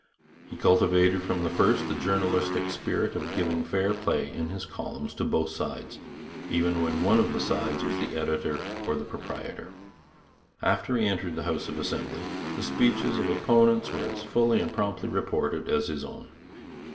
He cultivated from the first the journalistic spirit of giving fair play in his columns to both sides, even when one of the sides was the editor or the proprietor. After he entered the House of Assembly, the speeches of opponents were as fully and promptly reported as his own.